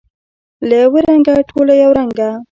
له یوه رنګه، ټوله یو رنګه